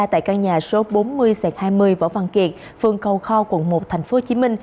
tại căn nhà số bốn mươi hai mươi võ văn kiệt phường cầu kho quận một tp hcm